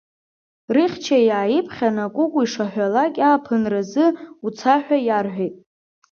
Рыхьча иааиԥхьан акәукәу ишаҳәалак ааԥынразы уца ҳәа иарҳәеит.